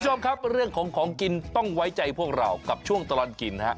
คุณผู้ชมครับเรื่องของของกินต้องไว้ใจพวกเรากับช่วงตลอดกินฮะ